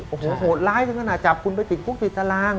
โอ้โหโหดร้ายถึงขนาดจับคุณไปติดคุกติดตาราง